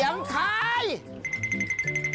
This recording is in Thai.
ทางไหนอ่ะ